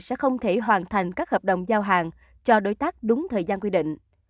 sẽ không thể hoàn thành các hợp đồng giao hàng cho đối tác đúng thời gian quy định